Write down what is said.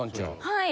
はい。